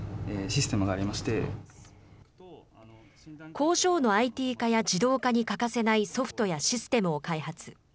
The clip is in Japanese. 工場のＩＴ化や自動化に欠かせないソフトやシステムを開発。